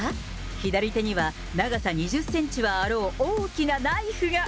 左手には、長さ２０センチはあろう大きなナイフが。